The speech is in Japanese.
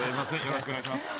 よろしくお願いします